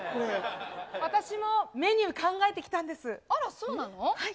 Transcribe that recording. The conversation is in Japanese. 私もメニュー考えてきたんであら、そうなの。